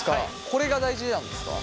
これが大事なんですか？